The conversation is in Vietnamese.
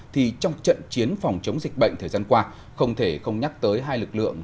thì trong trận chiến phòng chống dịch bệnh thời gian qua không thể không nhắc tới hai lực lượng